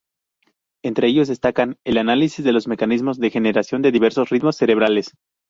Entre otros destacan el análisis de los mecanismos de generación de diversos ritmos cerebrales.